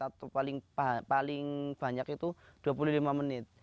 atau paling banyak itu dua puluh lima menit